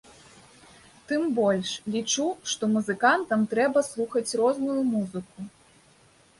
Тым больш, лічу, што музыкантам трэба слухаць розную музыку.